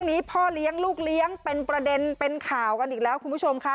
นี้พ่อเลี้ยงลูกเลี้ยงเป็นประเด็นเป็นข่าวกันอีกแล้วคุณผู้ชมค่ะ